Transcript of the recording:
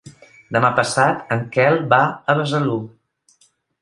Demà passat en Quel va a Besalú.